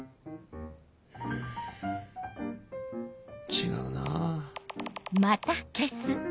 違うなぁ。